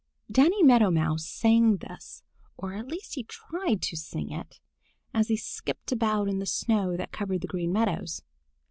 DANNY MEADOW MOUSE sang this, or at least he tried to sing it, as he skipped about on the snow that covered the Green Meadows.